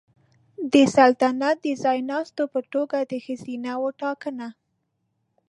د سلطنت د ځایناستو په توګه د ښځینه وو ټاکنه